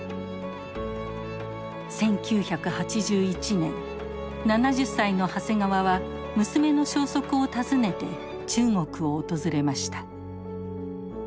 １９８１年７０歳の長谷川は娘の消息を尋ねて中国を訪れました。